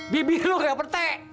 bibir lo nggak petek